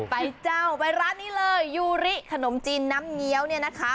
เจ้าไปร้านนี้เลยยูริขนมจีนน้ำเงี้ยวเนี่ยนะคะ